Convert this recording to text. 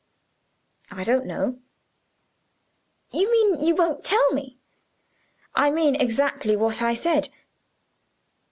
"I don't know." "You mean you won't tell me." "I mean exactly what I have said."